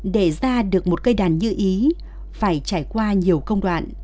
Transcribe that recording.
để ra được một cây đàn như ý phải trải qua nhiều công đoạn